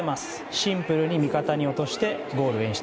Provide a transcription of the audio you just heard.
シンプルに味方に落としてゴール演出。